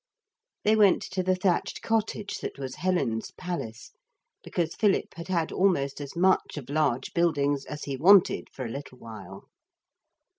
They went to the thatched cottage that was Helen's palace, because Philip had had almost as much of large buildings as he wanted for a little while.